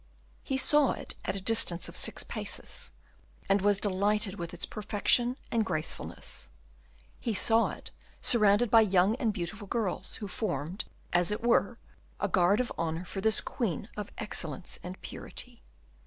He saw it at the distance of six paces, and was delighted with its perfection and gracefulness; he saw it surrounded by young and beautiful girls, who formed, as it were, a guard of honour for this queen of excellence and purity.